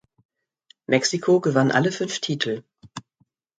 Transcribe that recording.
Mexiko gewann alle fünf Titel.